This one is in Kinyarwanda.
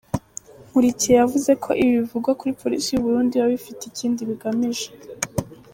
Nkurikiye yavuze ko ibibi bivugwa kuri polisi y’u Burundi biba bifite ikindi bigamije.